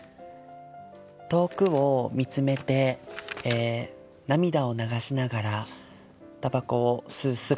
「遠くを見つめて涙を流しながら、煙草を吸う姿」